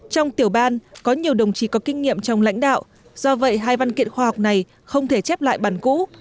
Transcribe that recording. trong tiểu ban có nhiều đồng chí có kinh nghiệm trong lãnh đạo do vậy hai văn kiện khoa học này không thể chép lại bản cũ